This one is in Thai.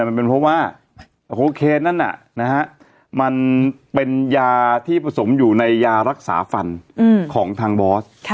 มันเป็นเพราะว่าโคเคนนั้นมันเป็นยาที่ผสมอยู่ในยารักษาฟันของทางบอส